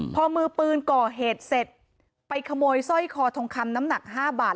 พอมือปืนก่อเหตุเสร็จไปขโมยสร้อยคอทองคำน้ำหนัก๕บาท